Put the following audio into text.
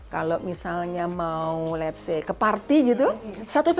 kalau misalnya mau let's say ke party gitu